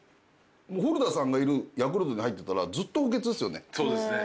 古田さんがいるヤクルトに入ってたらずっと補欠っすよね。